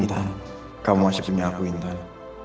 intan kamu masih punya aku intan